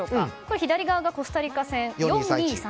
左側がコスタリカ戦４−２−３−１。